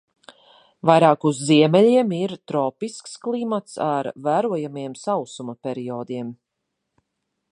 Vairāk uz ziemeļiem ir tropisks klimats ar vērojamiem sausuma periodiem.